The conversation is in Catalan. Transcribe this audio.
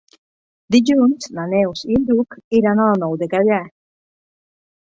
Dilluns na Neus i en Lluc iran a la Nou de Gaià.